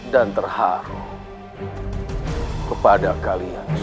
dan terharu kepada kalian semua